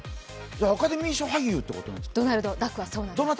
アカデミー賞俳優っていうことですか？